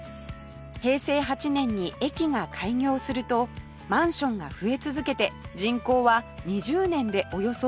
平成８年に駅が開業するとマンションが増え続けて人口は２０年でおよそ４倍に